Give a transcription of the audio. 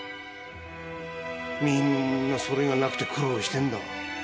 みんなそれがなくて苦労してんだ。